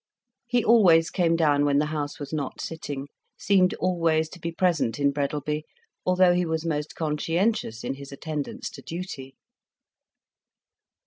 He always came down when the House was not sitting, seemed always to be present in Breadalby, although he was most conscientious in his attendance to duty.